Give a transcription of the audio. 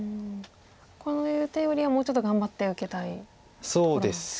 こういう手よりはもうちょっと頑張って受けたいところなんですか。